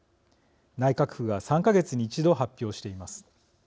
内閣府が３か月に１度、発表しています。